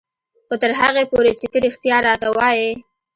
خو تر هغې پورې چې ته رښتيا راته وايې.